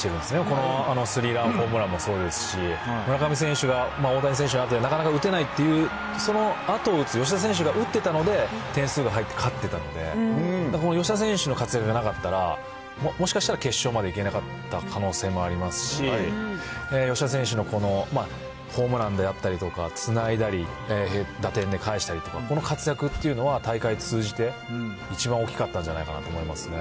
このスリーランホームランもそうですし、村上選手が大谷選手のあとでなかなか打てないっていう、そのあとを打つ吉田選手が打ってたので、点数が入って勝ってたので、だから、この吉田選手の活躍がなかったら、もしかしたら決勝までいけなかった可能性もありますし、吉田選手のこのホームランであったりとか、つないだり、打点で返したりとか、この活躍っていうのは、大会通じて、一番大きかったんじゃないかなと思いますね。